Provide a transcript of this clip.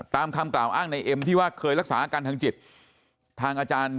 ตามคำกล่าวอ้างในเอ็มที่ว่าเคยรักษาอาการทางจิตทางอาจารย์